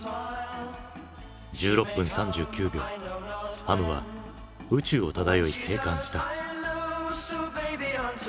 １６分３９秒ハムは宇宙を漂い生還した。